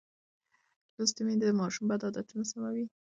لوستې میندې د ماشوم بد عادتونه سموي.